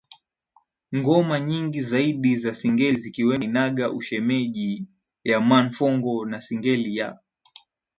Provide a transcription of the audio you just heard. ngoma nyingi zaidi za Singeli zikiwemo Hainaga Ushemeji ya Man Fongo na Singeli ya